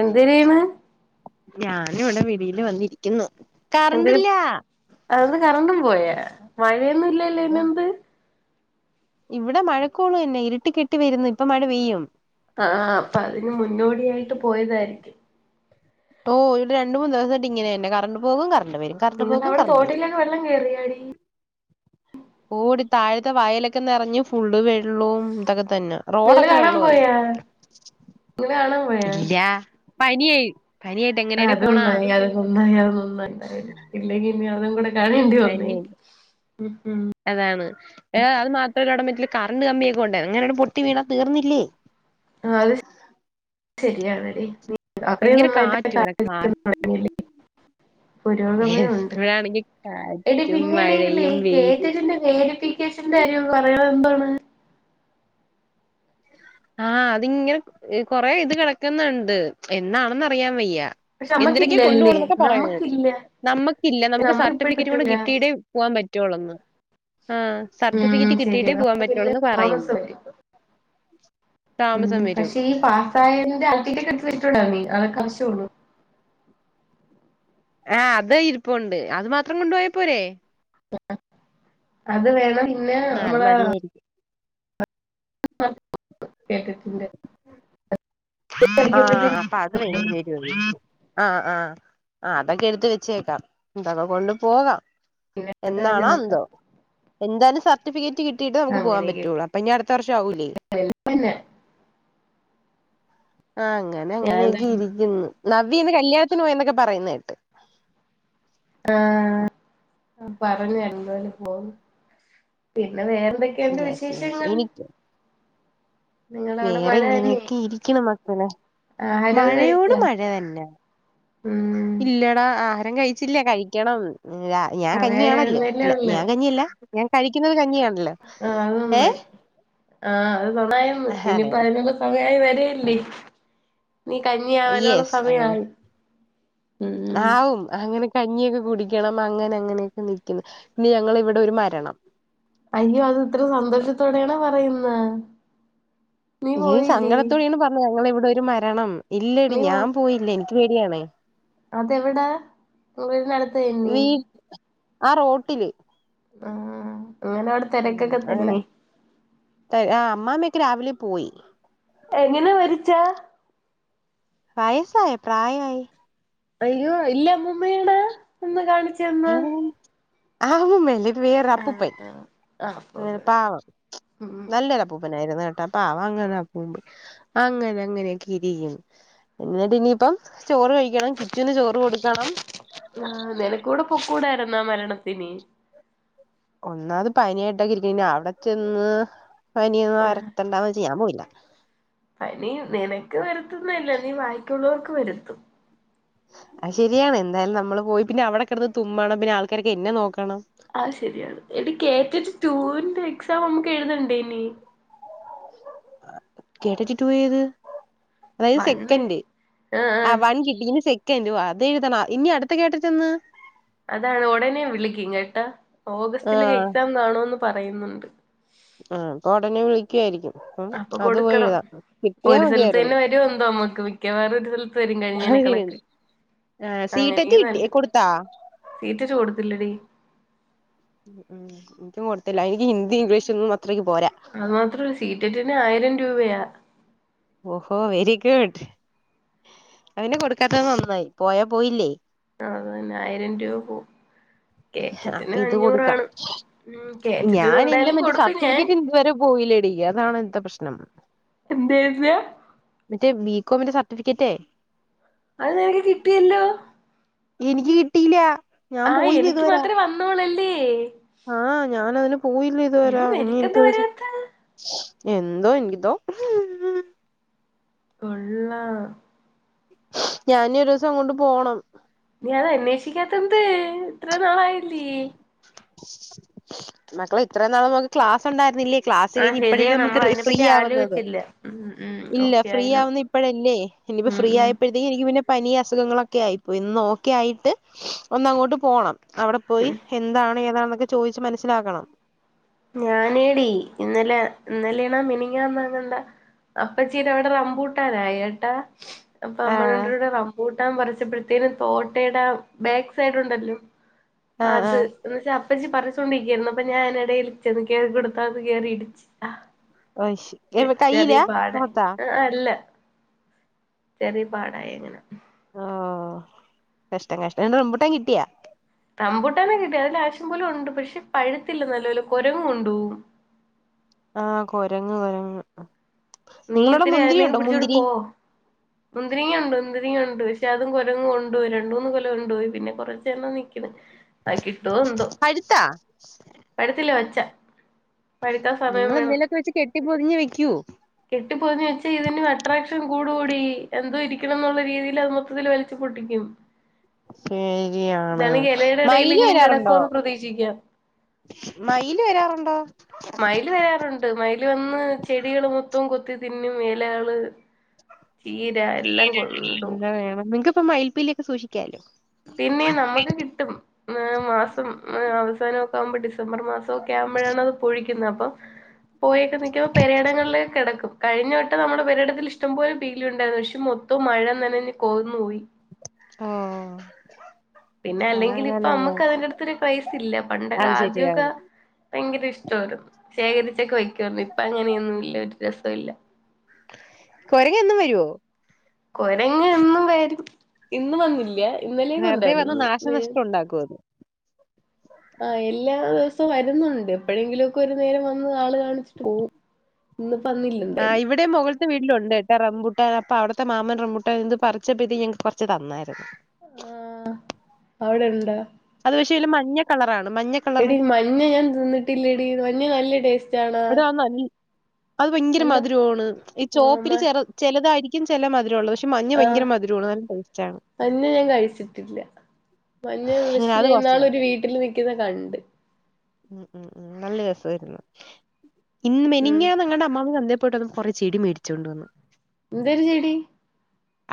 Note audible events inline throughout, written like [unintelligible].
എന്തിനെയ്ന്ന് ഞാനിവിടെ വെളിയില് വന്നിര്ക്ക്ന്ന് എന്ത് അവ്ടെന്ന് കറണ്ടും പോയ മഴയൊന്നും ഇല്ലല്ലോ പിന്നെന്ത് ഇവിടെ മഴക്കോളുതന്നെ ഇരുട്ടി കെട്ടി വരുന്നു ഇപ്പ മഴ പെയ്യും അ ആ അപ്പൊ അതിന് മുന്നോടിയായിട്ട് പോയതായിരിക്കും ഓ വടെ രണ്ട് മൂന്ന് ദെവസായിട്ട് ഇങ്ങനെ തന്നെ കറണ്ട് പോകും കറണ്ട് വെരും നിങ്ങൾവടെ തോട്ടിലോക്കെ വെള്ളം കേറിയാടി ഓടി താഴത്തെ വയല് ക്കെ നെറഞ് ഫുള്ള് വെള്ളും ഇതൊക്കെ തന്ന റോഡൊക്കെ വെള്ളായി ങ്ങള് കാണാൻ പോയോ പനിയായി പനിയാ ആ അത് നന്നായി അത് നന്നായി അത് നന്നായി ഇല്ലെങ്കിഞ്ഞി അതും കൂടെ കാണേണ്ടി വന്നെ പനിയായി ഉം ഉം അതാണ് ഏ അത് മാത്രല്ല അവടെ മറ്റില് കറണ്ട് കമ്പിയൊക്കെ ഉണ്ട് എങ്ങാനും പൊട്ടി വീണാൽ തീർന്നില്ലേ ആ അത് ശെരിയാണെടീ അത്രി ഭയങ്കര നന്നായിട്ട് കാറ്റ് ഇവിടെ കാറ്റ് [unintelligible] പുരോഗമനുണ്ട് ഇവിടാണെങ്കിൽ എടി കാറ്റും പിന്നെയാണെങ്കിലെ മഴയും വെയി [unintelligible] കേഷന്റെ കാര്യം പറയ്ണതെന്താണ് ആ അതിങ്ങനെ കൊറെ ഇത് കെടക്ക്‌ന്ന്ണ്ട് എന്നാണെന്നറിയാൻ വെയ്യ പക്ഷെ എന്തിനൊക്കെ കൊണ്ടു നമ്മക്കില്ലല്ലേ പോണംന്നൊക്കെ പറയുന്ന നമ്മക്കില്ല നമ്മക്കില്ല നമുക്ക് നമ്മക്ക് ഇപ്പഴ സർട്ടിഫിക്കറ്റ് കൂടെ പറ്റൂല കിട്ടിയിട്ടേ പോകാൻ പറ്റൊള്ളെന്ന് ആ ഉം സർട്ടിഫിക്കറ്റ് കിട്ടിയിട്ടേ ശരിയാണ് പോവാൻ അപ്പൊ പിന്നെ പറ്റൊള്ളെന്ന് താമസം പറയ്ന്ന് വരും ഉം പക്ഷേ ഈ പാസായതിന്റെ [unintelligible] അതൊക്കെ ആവശ്യോള്ളു ആ അത ഇരിപ്പുണ്ട് അത് മാത്രം കൊണ്ട് പോയാപ്പോരെ അത് വേണം പിന്നെ ആഹ് അത് നമ്മളെ മതിയായിരിക്കും [unintelligible] കേട്ടിട്ട്ണ്ട് ആ അപ്പൊ അത് വേണ്ടി വെരും ആ ആ ആ അതൊക്കെ എടുത്ത് വെച്ചേക്കാം തൊക്കെ കൊണ്ട് പോകാം പിന്നെ എന്നാണോ നിക്കാം എന്തോ എന്താലും സർട്ടിഫിക്കറ്റ് കിട്ടീട്ടെ നമുക്ക് പോവാൻ അങ്ങനെയൊക്കെ പറ്റുള്ളൂ അപ്പനി അടുത്ത വർഷാവൂല്ലേ പിന്നെ ആ അങ്ങനെ ഞാൻ എന്താ അങ്ങനെയൊക്കെ ഇരിക്ക്‌ന്ന് നവ്യ ഇന്ന്‌ കല്യാണത്തിന് പോയന്നൊക്കെ പറയുന്ന കേട്ട് ആ പറഞ്ഞു എന്താലും പോവും പിന്നെ വേറെന്തൊ ക്കെണ്ട് യെസ് യെസ് വിശേഷങ്ങൾ എനിക്ക് നിങ്ങളവിടെ വേറെ മഴ തന്നെ ഇങ്ങനെയൊക്കെ ഇരിക്ക്‌ണ് മക്കള് ആഹാരൊക്കെ മഴയോട് കഴിച്ചാ മഴ തന്നെ ഉം ഇല്ലടാ ആഹാരം കഴിച്ചില്ല കഴിക്കണം രാ ഞാൻ സമയായി കഞ്ഞിയാണല്ലോ വരുന്നല്ലേ അല്ല ഉള്ളു ഞാൻ കഞ്ഞിയല്ല ഞാൻ കഴിക്കുന്നത് കഞ്ഞിയാണല്ലോ ആ അത് ഏ നന്നായി ആ അത് നന്നായെന്ന് അതെ ഇനിയിപ്പോ അയ്നൊക്കെ സമയായി വര ഇല്ലേ ഇനി കഞ്ഞി ആവാനുള്ള യെസ് അങ്ങനെ സമയായി ഉം ആവും അങ്ങനെ കഞ്ഞിയൊക്കെ കുടിക്കണം അങ്ങനെ അങ്ങനെയൊക്കെ നിക്ക്‌ന്ന് ഇന്ന് ഞങ്ങളെവടെ ഒരു മരണം അയ്യോ അത് ഇത്ര സന്തോഷത്തോടെയാണോ പറയുന്നെ നീ പോയില്ലേ സങ്കടത്തോടെയാണ് പറഞ്ഞത് ഞങ്ങളെ ഇവടൊരു മരണം ഇല്ലെടി നീ ഞാൻ പോയില്ല എൻക്ക് പേടിയാണെ അതെവിട വീടിനട്ത്ത് തെന്നെ വീ ആ റോട്ടില് ആ ഇങ്ങന്ട് ഉം അങ്ങനെ ത ആ അമ്മാമ്മൊക്കെ രാവിലെ പോയി എങ്ങനെ മരിച്ചാ വയസ്സായോ പ്രായായി അയ്യോ ഇല്ലമ്മൂമ്മേണ് ഒന്ന് കാണിച്ചേന്ന് ഏ ആ അമ്മൂമ്മല്ല ഇപ് വേറൊരു ആഹ് അപ്പൂപ്പൻ ആഹ് ആഹ് അപ്പ പാവം ഉം നല്ലൊരു അപ്പൂപ്പനായിരുന്നു കേട്ടോ. പാവ അങ്ങനാ [unintelligible] അങ്ങനെ അങ്ങനെയക്കെ ഇരിക്കണ് എന്നിട്ട് ഇനിയിപ്പം ചോറ് കഴിക്കണം കിച്ചൂന് ചോറ് കൊടുക്കണം. ആഹ നിനക്കൂടെ പൊക്കൂടായിരുന്നാ മരണത്തിന്. ഒന്നാമത് പനിയായിട്ടക്കെ ഇരിക്ക. പിന്നെ അവിടെ ചെന്ന് പനിയൊന്നും വരത്തേണ്ടന്ന് വെച്ച് ഞാന്‍ പോയില്ല. പനി നിനക്ക് വരുത്തുന്നല്ല നീ ബാക്കിയുള്ളവർക്ക് വരുത്തും. ആ ശരിയാണ് എന്തായാലും നമ്മള്പോയി പിന്നെ അവിടെക്കെടന്ന് തുമ്മണം പിന്നെ ആൾക്കാരൊക്കെ എന്നെ നോക്കണം. ആവ് ശരിയാണ്. എടി കെറ്ററ്റ് ടുവിന്റെ എക്സാം നമ്മുക്ക് എഴുതണ്ടേ നി. കേട്ടറ്റ് ടൂ ഏത്? അ ഇത് വണ്ണ് സെക്കൻഡ് ആഹ് ആ ആഹ് വൺ കിട്ടി ഇനി സെ ക്കന്റ ആ അതെഴുതണം ഇനി അടുത്ത കേറ്ററ്റ് എന്ന? അത് ഒടനെ വിളിക്കും കേട്ടാ. ഓഗസ്റ്റില് ആഹ് എക്സാം കാണോന്ന് പറയുന്നുണ്ട്. ആഹ് അപ്പ ഒടനെ വിളി ക്കുവായിരിക്കും ഉം അപ്പൊ അത് പോയി കൊടുക്കണം എഴുതാം കിട്ടിയാ മതിയായിരുന്നു. [unintelligible] ത്ത് വരും കഴിഞ്ഞനെ കണക്ക്. ആ സീട്ടറ്റ് കിട്ടി കൊടുത്താ? സീട്ടറ്റ് കൊടുത്തില്ലടി. ഒന്നും കൊടുത്തില്ല എനിക്ക് ഹിന്ദിയും ഇംഗ്ലീഷ് ഒന്നും അത്രക്ക് പോരാ. അത് മാത്രല്ല സീറ്ററ്റിന് ആയിരം രൂപയാ. ഓഹോ വെരി ഗുഡ്. അതിനു കൊടുക്കാത്തത് നന്നായി പോയാ പോയില്ലേ. അ അതന്നെ ആയിരം രൂപ പോവും. കേ അപ്പൊ കേറ്ററ്റ്ന് ഇത് കൊടുക്കാം അഞ്ഞൂറാണ് ഉം കേ ഞാൻ എന്റെ മറ്റേ സർട്ടിഫിക്കറ്റ്ന് ഇതുവരെ പോയില്ലടി അതാണ് ന്റ പ്രശ്നം. എന്തെ [unintelligible] മറ്റെ ബി കോംമിന്റെ സർട്ടിഫിക്കറ്റേ.. അത് ഞങ്ങ്ക്ക് കിട്ടിയല്ലോ. എനിക്ക് കിട്ടിയില്ല, ഞാൻ ആഹ് പോയില്ല എനിക്ക് ഇതുവരെ. മാത്രേ വന്നോളല്ലേ ആഹ ഞാനതിന് പോയില്ല എടി ഇതുവരെ ഇനി നിനക്കെന്താ എനിക്ക് [unintelligible] വരാത്തെ എന്തോ എ [unintelligible] തോ കൊള്ളാം..... ഞാഞ്ഞോരുസം അങ്ങോട്ട് പോണം. നീയത് അന്വേഷിക്കാത്തെന്ത് ഇത്ര നാളായില്ലേ? മക്കളെ ഇത്ര നാളമ്മ്ക്ക് ക്ലാസ് ഉണ്ടായിരുന്നില്ലേ? ക്ലാസ്സ് ആഹ് കഴിഞ്ഞ് ശരിയാ ഇപ്പഴല്ലെ നമ്മൾ നമ്മക്ക് ഫ്രീ അതിനെപ്പറ്റി ആവുന്നത് ആലോചിച്ചില്ല ഉം ഉം ഇല്ല ഓക്കെ ഫ്രീ ആയിനോ ആവുന്നെ ഇപ്പഴല്ലേ ഇനിയിപ്പ ഉം ഫ്രീ ആയപ്പോഴെ ഉം ആ എനിക്ക് പിന്നെ പനി അസുഖങ്ങളൊക്കെ ആയിപ്പോയി ഒന്ന് ഓക്കെ ആയിട്ട് ഒന്നങ്ങോട്ട് പോണം. അവിടെ പോയി എന്താണ് ഏതാന്നൊക്കെ ചോദിച്ചു മനസ്സിലാക്കണം. ഞാനേടി ഇന്നലെ ഇന്നലെണാ മിനിഞ്ഞാങ്ങാന്നങ്ങണ്ടാ അപ്പച്ചീടവിടെ റംമ്പൂട്ടാനായേട്ടാ അപ്പൊ ആഹ് അമ്മളെന്റൂടെ റംബൂട്ടാ ട്ടാൻ പറച്ചപ്പോഴത്തേനും തോട്ടയുടെ ആ ബാക്ക് സൈഡുണ്ടല്ലോ ആഹ് അത് ആഹ് എന്തെച്ചാ അപ്പച്ചി പറച്ചോണ്ടിരിക്കായിരുന്നു അപ്പൊ ഞാൻ ഇടയിൽ ചെന്ന് കേയറി കൊടുത്താന്ന് കേറിയിടിച്ച്. ചെ ഓ ചെറിയ കയ്യിലാ പാട മുഖത്താ അ അല്ല. ചെറിയ പാടായങ്ങനെ. ആ കഷ്ടം കഷ്ടം എന്നിട്ട് റംമ്പൂട്ടാൻ കിട്ടിയാ? റംമ്പൂട്ടാനൊക്കെ കിട്ടി, അതെല്ലാം ആവശ്യം പോലുണ്ട്, പക്ഷെ പഴുത്തില്ല നല്ലോലെ കുരങ്ങ് കൊണ്ടോവും. ആഹ് കൊരങ്ങ് കൊരങ് നീ നിങ്ങളോടെ മുന്തിരിയുണ്ടോ മുന്തിരി? മുന്തിരിങ്ങ ഉണ്ട് മുന്തിരിങ്ങ ഉണ്ട് പക്ഷെ അതും കൊരങ്ങ് കൊണ്ട് പോയി രണ്ടൂന്ന് കൊല കൊണ്ട് പോയി പിന്നെ കുറച്ചെണ്ണം നി അത് കിട്ടുവോ എന്തോ പഴുത്താ പഴുത്തില്ല പച്ച പഴുക്കാൻ സമയം നിങ്ങൾ എന്തേലുവൊക്കെ വെച്ച് കെട്ടി പൊതിഞ്ഞ്‌ വെയ്ക്കൂ കെട്ടിപ്പൊതിഞ്ഞ് വെച്ചാ ഇതിനും അട്രാക്ഷൻ കൂടുവെടി എന്തോ ഇരിക്കണ് എന്നുള്ള രീതിയില് അത് മൊത്തത്തില് വലിച്ച് പൊട്ടിക്കും ശെരിയാണ് ഇതാണെങ്കി ഇലയുടെ മയില് ഇടയിലെങ്കിലും വരാറുണ്ടോ കിടക്കുവെന്ന് പ്രതീക്ഷിക്കാം മയില് വരാറുണ്ടോ മയില് വരാറുണ്ട് മയില് വന്ന് ചെടികള് മൊത്തം കൊത്തി തിന്നും ഇലകള് ചീരാ എന്നാ വേണം നിങ്ങക്കപ്പൊ മയിൽപ്പീലിയൊക്കെ സൂക്ഷിക്കാലോ പിന്നെ നമുക്ക് കിട്ടും മാസം അവസാനവൊ ക്കെ ആവുമ്പോ ഡിസംബർ മാസവൊക്കെ ആവുമ്പോഴാണ് അത് പൊഴിക്കുന്നത് അപ്പൊ പോയൊക്കെ നിക്കുമ്പോ പെരയിടങ്ങളിലൊക്കെ കിടക്കും കഴിഞ്ഞവട്ടം നമ്മുടെ പെരയിടത്തിൽ ഇഷ്ടം പോലെ പീലി ഉണ്ടായിരുന്നു പക്ഷെ മൊത്തം മഴ നനഞ്ഞ് കുതിർന്ന് പോയി ആഹ് പിന്നെ അല്ലെങ്കിൽ ഇപ്പൊ നമ്മക്ക് അതിന്റെ അടുത്തൊരു ക്രയ്സില്ല പണ്ടൊക്കെ അത് ആദ്യവൊക്കെ ശരിയാണ് ഭയങ്കര ഇഷ്ടമായിരുന്നു ശേഖരിച്ചൊക്കെ വയ്ക്കുവായിരുന്നു ഇപ്പം അങ്ങനെയൊന്നും ഇല്ല ഒരു രസവില്ല കൊരങ്ങ് എന്നും വരുവോ കൊരങ്ങ് എന്നും വരും ഇന്ന് വന്നില്ല ഇന്നലെയൊക്കെ വെറുതെ വന്ന് ഉണ്ടായിരുന്നു ഉം നാശനഷ്ടം ഉണ്ടാക്കും അത് ആഹ് എല്ലാ ദിവസവും വരുന്നുണ്ട് എപ്പഴെങ്കിലുവൊക്കെ ഒരു നേരം വന്ന് ആള് കാണിച്ചിട്ട് പോവും ഇന്നിപ്പോ വന്നില്ല എന്തായാലും ഇവിടെയും മുകളിത്തെ വീട്ടിലുണ്ട് കേട്ടാ റംബൂട്ടാൻ അപ്പ അവിടുത്തെ മാമൻ റംബൂട്ടൻ ഇന്ന് പറിച്ചപ്പോ ഇത് ഞങ്ങക്ക് കൊറച്ച് തന്നായിരുന്നു ആഹ് അവിടെ ഉണ്ടാ അത് പക്ഷെ അതില് മഞ്ഞ കളറാണ് മഞ്ഞ കളറ് എടി മഞ്ഞ ഞാൻ തിന്നിട്ടില്ലടി മഞ്ഞ നല്ല ടേസ്റ്റ് ആണാ എടി അത് നല്ല അത് ഭയങ്കര നല്ല മധുരവാണ് ഈ ആഹ് ചോപ്പില് മ ചെറു ചെലതായിരിക്കും ചെല മധുരമുള്ളത് പക്ഷേ ആഹ് മഞ്ഞ ഞാൻ കഴിച്ചിട്ടില്ല മഞ്ഞ അങ്ങനെ പക്ഷേ അത് ഞാൻ കുറച്ച് തന്നു ഇന്നാളൊരു വീട്ടില് നിൽക്കുന്ന കണ്ട് ഉം ഉം ഉം നല്ല രസവായിരുന്നു ഇന്ന് ഉം മെനിഞ്ഞാന്നെങ്ങാണ്ടോ അമ്മാമ്മ ചന്തേൽ പോയിട്ട് വന്നപ്പൊ കുറേ ചെടി മേടിച്ചോണ്ട് വന്ന് എന്തരു ചെടി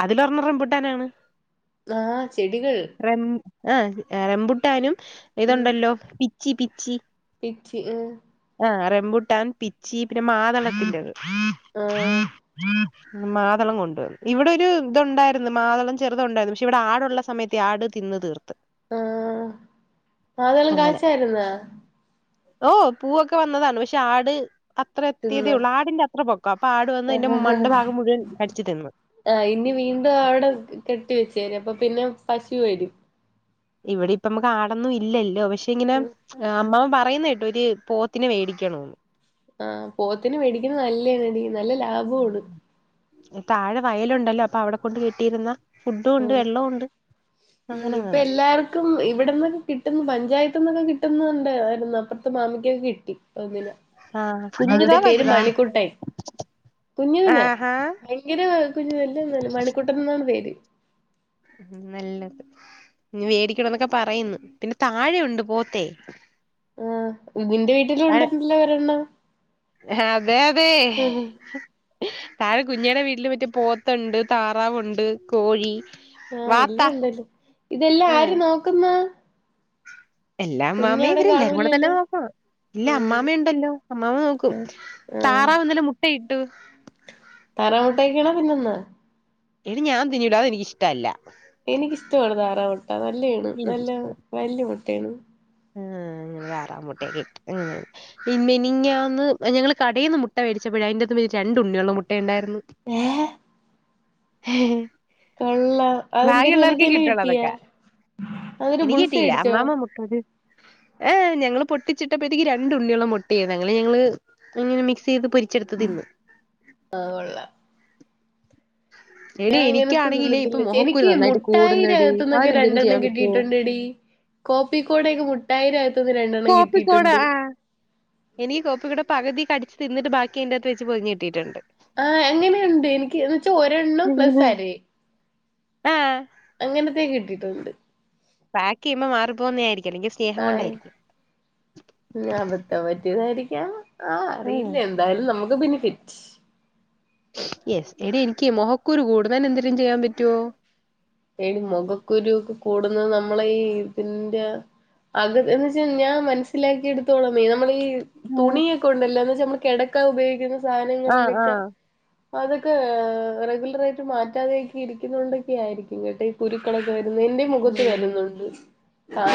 അതില് ഒരെണ്ണം റംപൂട്ടാനാണ് ആഹ് ചെടികൾ റം ആ റമ്പൂട്ടാനും ഉം ഇതുണ്ടല്ലോ പിച്ചി പിച്ചി പിച്ചി ആ ആഹ് റമ്പുട്ടാൻ പിച്ചി പിന്നെ മാതളത്തിന്റെ അത് ഉ മാതളം കൊണ്ട് വന്നു ഇവിടെ ഒരു ഇതുണ്ടായിരുന്നു മാതളം ചെറുത് ഉണ്ടായിരുന്നു പക്ഷെ ഇവിടെ ആടുള്ള സമയ ത്ത്‌ ആട് തിന്ന് തീർത്ത് ആഹ് മാതളം അങ്ങനെ കായ്ചാരുന്നോ ഓ പൂവൊക്കെ വന്നതാണ് പക്ഷെ ആട് അത്ര തിന്നോ എത്തിയതേയുള്ളൂ ആടിന്റെ അത്ര പൊക്കം അപ്പൊ ആട് വന്ന് അതിന്റെ മണ്ട ഭാഗം മുഴുവൻ കടിച്ച് തിന്ന് ആഹ് ഇനി വീണ്ടും അവിടെ കെട്ടി വെച്ചേര് അപ്പൊ പിന്നെ പശു വരും ഇവിടെ ഇപ്പ നമ്മക്ക് കാടൊന്നും ഇല്ലല്ലോ പക്ഷെ ഇങ്ങനെ അമ്മാ പറയുന്ന കേട്ടോ ഒര് പോത്തിന് മേടിക്കണോന്നു ആഹ് പോത്തിന് മേടിക്കുന്ന നല്ലാണടിനല്ല ലാഭണ് താഴെ വയലുണ്ടല്ലോ അപ്പൊ അവിടെ കൊണ്ട് കിട്ടിയിരുന്ന ഫുഡും ഉണ്ട് വെള്ളവും ഉണ്ട് അങ്ങനെ അങ്ങന ഇഇവിടന്നൊക്കെ കിട്ടുന്നു പഞ്ചായത്ത്ന്നൊക്കെ കിട്ടുന്നുണ്ട് യിരുന്നു അപ്പുറത്ത് മാമിക്കൊക്കെ കിട്ടി ഒന്നിനെ ആഹ് കുഞ്ഞിതാ അതിന്റെ പേര് വലുതാ മണിക്കുട്ടൻ കുഞ്ഞു പിന്നെ ആഹാ ഭയങ്കര കുഞ്ഞു വല്ല ഒന്നുംല്ല മണിക്കുട്ടനന്നാണ് പേര് നല്ലത് ഇ വേടിക്കണ എന്നൊക്കെ പറയുന്നു പിന്നെ താഴെണ്ട് പോത്തേ ആഹ് നിന്റെ വീട്ടില താഴെ ഉണ്ടല്ലോ ഒരെണ്ണം അതെ അതെ ആഹ് താഴെ കുഞ്ഞടെ വീട്ടില് മറ്റെ പോത്തുണ്ട് താറാവുണ്ട് കോഴി ആഹ് വാത്ത ല്ലാംഉണ്ടല്ലോ ഇതെല്ലാ ആഹ് ആര് നോക്കുന്ന എല്ലാ അമ്മാമയും ഇവര്ല്ലരും കൂടെ തന്നെ കാണൂലല്ലേ നോക്ക ഇല്ല അമ്മാമയ ഉണ്ടല്ലോ അമ്മാമ നോക്കും ആഹ് ആഹ് താറാവ് ഇന്നലെ മുട്ടയിട്ടു താറാവ് മുട്ടൊക്കെയണോ തിന്നുന്നെ എനി ഞാൻ തിന്നൂല്ല എനിക്ക ഇഷ്ടല്ല എനിക്കിഷ്ടമാണ് താറാ മുട്ട നല്ലയാണ് നല്ല എനിക്കിഷ്ട വല്യ മുട്ടയാണ് താറാവ് മുട്ട [unintelligible] പിന്നെ മിനിഞ്ഞാന്ന് ഞങ്ങള് കടൽ നിന്ന് മുട്ട മേടിച്ചപ്പോഴ അതിന്റെന്നും രണ്ടു ഉണ്ണിയള്ള മുട്ട ഉണ്ടായിരുന്നു ഏഹ് കൊള്ളാം ഭാഗ്യം അതെന്തര് ഉള്ളോർക്ക് നിനക്കന്നെ കിട്ടുള്ളൂ കിട്ടിയാ അതൊക്കെ അതൊരു എനിക്ക് ബുൾസൈ കിട്ടില്ല അടിച്ചോ അമ്മമ്മ മുട്ടത് ഏ ഞങ്ങള് പൊട്ടിച്ചിട്ടപ്പോഴത്തേക്ക് രണ്ടുണ്ണിയോളം മുട്ടായിരുന്നു അങ്ങനെ ഞങ്ങള് അങ്ങനെ മിക്സ് ചെയ്ത് പൊരിച്ചെടുത്ത് തിന്ന് ആഹ് കൊള്ളം എടി ഞാൻ അങ്ങനത്തെ എനിക്കാണെങ്കിലേ ഇപ്പൊ തിന്നിട്ടില്ല മൊഖക്കുരു എനിക്ക് നന്നായിട്ട് കൂടുന്നെടി മുട്ടായിന്നകത്തുന്നൊക്കെ അതിനെന്തേലും രണ്ടെണ്ണം ചെയ്യാൻ പറ്റോ? കിട്ടിട്ടുണ്ട് ടി കോപ്പിക്കോടേക്കെ മുട്ടായിനകത്തു നിന്ന് രണ്ടെണ്ണം കോപ്പിക്കൂട് കിട്ടിയിട്ടുണ്ട് ആഹ് എനിക്ക് കോപ്പിക്കൂടെ പകുതി കടിച്ചു തിന്നിട്ട് ബാക്കി അയ്ന്റെ അത്ത് വെച്ച് പൊതിഞ്ഞു കിട്ടിട്ടുണ്ട് ആഹ് എങ്ങനെയുണ്ട് എനിക്ക്ന്ന് വെച്ചാ ഒരെണ്ണം പ്ലസ് എങ്ങനെ? അരയേ ആഹ് അങ്ങനത്തെ കിട്ടിയിട്ടുണ്ട് പക്ക് ചെയ്യുമ്പോ മാറിപ്പോകുന്നത ആരിക്കുംല്ലെങ്കിൽ സ്നേഹം കൊണ്ടായിരിക്കും ഞാൻപത്താൻ പറ്റിയതായിരിക്കാം ആഹ് അറിയില്ല എന്തായാലും നമുക്ക് ബെനിഫിറ്റ് ആ യെസ് എടി എനിക്ക് മുഹക്കൂര് കൂടുന്നൽ എന്തെങ്കലും ചെയ്യാൻ പറ്റോ എടി മുഖക്കുരു ക്കെ കൂടുന്നത് നമ്മള ഈ ഇതിന്റെ.. അത് എന്ന് ച്ചാ ഞാൻ മനസ്സിലാക്കി എടുത്തോള്ളം നമ്മൾ ഈ.. തുണിയൊക്കെ ഉണ്ടല്ലോ എന്ന് വെച്ച നമ്മൾ കിടക്കാൻ ഉപയോഗിക്കുന്ന ആഹ് ആഹ് സാധനങ്ങളിലൊക്കെ.. ആഹ് അതൊക്കെ റെഗുലർ ആയിട്ട് മാറ്റാതെയക്കി ഇരിക്കുന്ന കൊണ്ടൊക്കെ ആയിരിക്കും കേട്ടെ.. കുരുക്കളൊക്കെ വരുന്ന് എന്റെ മുഖത്ത് ഉം വരുന്നുണ്ട്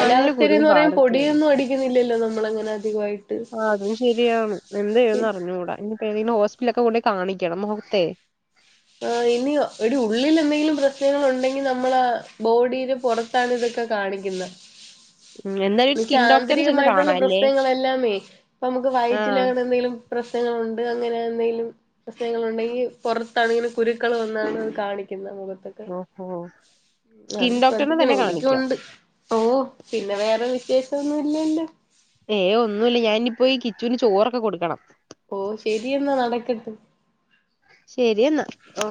നല്ല കുരുവും പറയും ബോ പാടൊക്കെയാണ് പൊടിയൊന്നും അടി.. ഇല്ലില്ലോ നമ്മള അങ്ങനെ അധികമായിട്ട്.. ആ അതും ശരിയാണ് എന്ത്യ്യും ന്ന്റിഞ്ഞുടാ ഇനി പ്പ ഏതെങ്കിലും ഹോസ്പിറ്റലിലൊക്കെ കൊണ്ടയി കാണിക്കണം മുഖത്തെേ.. ആഹ് ഇനി ഒരു ഉള്ളിൽ എന്തെങ്കിലും പ്രശ്നങ്ങൾ ഉണ്ടെങ്കിൽ നമ്മള ആ ബോഡീടെ പുറത്ത്.. ത്താണ് ഇതൊക്കെ കാണിക്കുന്നെ ഉം എന്തായാലും ഒരു എന്ന്ച്ച സ്കിൻ ഡോക്ടറിനെ ചെന്ന് ആന്തരികമായിട്ടുള്ള കാണാല്ലേ പ്രശ്നങ്ങളെല്ലാമേ ഇപ്പ നമുക്ക് വയറ്റിൽ ആഹ് അങ്ങനെ എന്തെങ്കിലും പ്രശ്നങ്ങളുണ്ട് അങ്ങനെ എന്തെങ്കിലും പ്രശ്നങ്ങളുണ്ടെങ്കിൽ പൊറ ത്താണെങ്കിലും കുരുക്കൾ വന്നാണ് കാണിക്കുന്ന മുഖത്ത്. ഓഹോ ഉം സ്കിൻ ആഹ് ഡോക്ടറിനെ ശ്രധിക്കണം തന്നെ കാണിക്കാം എങ്ങനിക്കുണ്ട്. ഓ പിന്നെ വേറെ വിശേഷംന്നും ഇല്ലല്ലോ ഏയ് ഒന്നുല്ല ഞാനിപ്പോഈ കിച്ചുന് ചോറൊക്കെ കൊടുക്കണം. ഓ ശരിയെന്നാ നടക്കെട്ട് ശെരി എന്നാ ഓഹ്